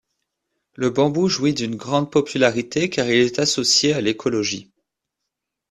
Le bambou jouit d'une grande popularité car il est associé à l'écologie.